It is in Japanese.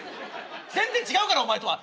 全然違うからお前とは。